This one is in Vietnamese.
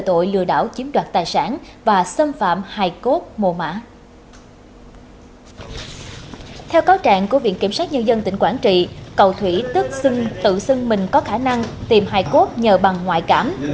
theo cáo trạng của viện kiểm sát nhân dân tỉnh quảng trị cầu thủy tức xưng tự xưng mình có khả năng tìm hải cốt nhờ bằng ngoại cảm